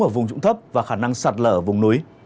ở vùng trụng thấp và khả năng sạt lở ở vùng núi